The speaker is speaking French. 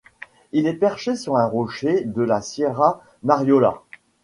Il est perché sur un rocher de la Sierra Mariola.